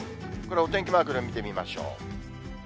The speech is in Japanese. お天気マークで見てみましょう。